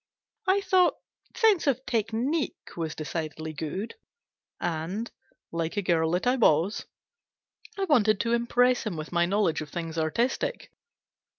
I thought " sense of technique" was decidedly good, and, like a girl that I was, I wanted to impress him with my knowledge of things artistic.